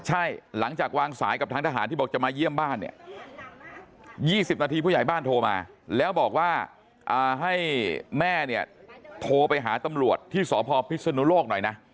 ใช่หลังจากวางสายกับทางทหารที่บอกจะมาเยี่ยมบ้านเนี่ย๒๐นาทีผู้ใหญ่บ้านโทรมาแล้วบอกว่าให้แม่เนี่ยโทรไปหาตำรวจที่สพพิศนุโลกหน่อยนะ